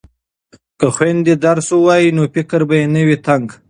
که خویندې درس ووایي نو فکر به یې تنګ نه وي.